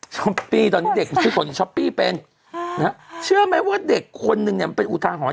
ปี้ตอนนี้เด็กทุกคนช้อปปี้เป็นเชื่อไหมว่าเด็กคนนึงเนี่ยมันเป็นอุทาหรณ์